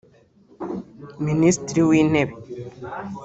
Minisitiri w’Intebe